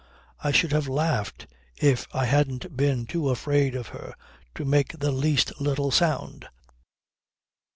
I should have laughed if I hadn't been too afraid of her to make the least little sound."